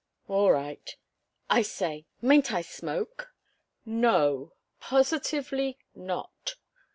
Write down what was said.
"All right. I say mayn't I smoke?" "No. Positively not."